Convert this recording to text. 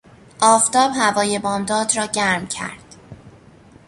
آفتاب هوای بامداد را گرم کرد.